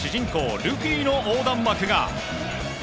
ルフィの横断幕が。